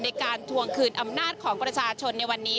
ทวงคืนอำนาจของประชาชนในวันนี้